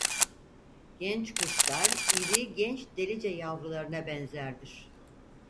Genç kuşlar iri genç delice yavrularına benzerdir.